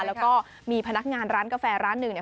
แล้วก็มีพนักงานร้านกาแฟร้านหนึ่งเนี่ย